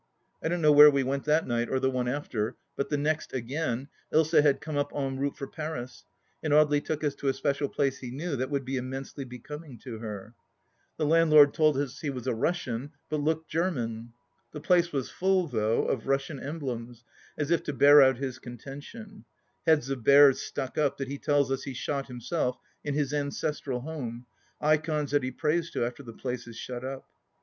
I don't know where we went that night or the one after, but the next again, Ilsa had come up en route for Paris, and Audely took us to a special place he knew that would be immensely becoming to her I The landlord told us he was a Russian, but looked German, The place was full, though, of Russian emblems, as if to bear out his contention : heads of bears stuck up that he tells us he shot himself in his ancestral home, ikons that he prays to after the place is shut up.